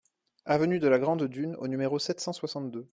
Avenue de la Grande Dune au numéro sept cent soixante-deux